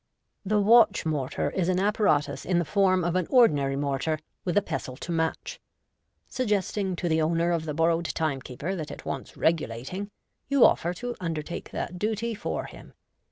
— The watch mortar is an apparatus in the form of an ordinary mortar, with a pestle to match. Suggesting to the owner of the borrowed time' keeper that it wants regulating, you offer to undertake that duty for him.